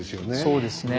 そうですね。